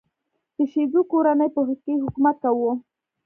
د شیزو کورنۍ په کې حکومت کاوه.